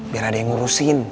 biar ada yang ngurusin